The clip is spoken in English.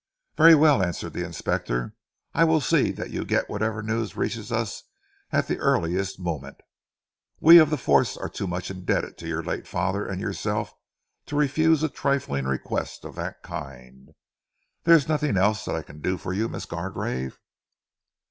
"Very well," answered the inspector, "I will see that you get whatever news reaches us at the earliest moment! We of the force are too much indebted to your late father and yourself to refuse a trifling request of that kind. There is nothing else that I can do for you, Miss Gargrave?"